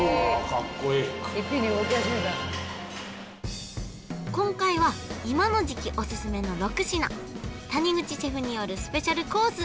かっこいいいっぺんに動き始めた今回は今の時期オススメの６品谷口シェフによるスペシャルコース